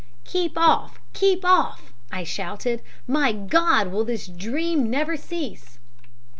"'Keep off! Keep off!' I shouted. 'My God, will this dream never cease?'